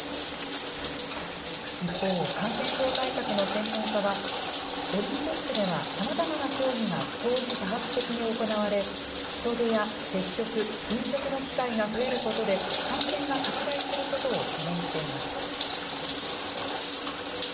一方、感染症対策の専門家は、オリンピックではさまざまな競技が同時多発的に行われ、人出や接触、飲食の機会が増えることで、感染が拡大することを懸念しています。